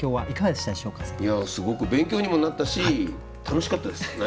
いやすごく勉強にもなったし楽しかったです